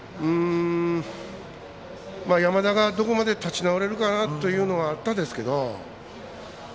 山田がどこまで立ち直れるのかなというのはあったんですけど。